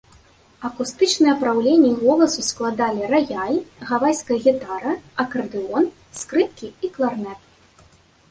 Акустычнае апраўленне голасу складалі раяль, гавайская гітара, акардэон, скрыпкі і кларнет.